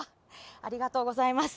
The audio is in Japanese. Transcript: ありがとうございます。